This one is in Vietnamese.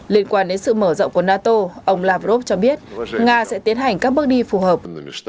liên quan đến sự mở rộng của nato ông lavrov cho biết nga sẽ tiến hành các bước đi phù hợp